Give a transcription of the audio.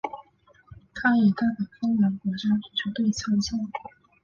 他也代表芬兰国家足球队参赛。